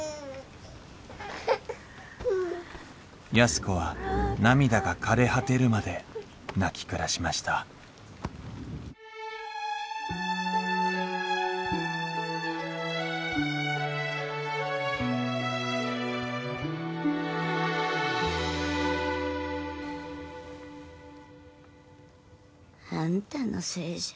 安子は涙がかれ果てるまで泣き暮らしましたあんたのせいじゃ。